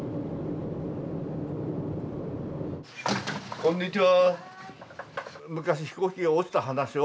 こんにちは。